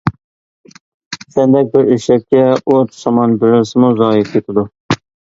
سەندەك بىر ئېشەككە ئوت-سامان بېرىلسىمۇ زايە كېتىدۇ.